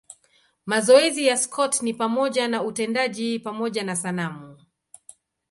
Mazoezi ya Scott ni pamoja na utendaji pamoja na sanamu.